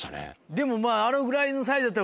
でもまぁ。